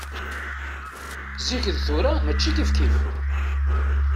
Zik d tura mačči kif kif.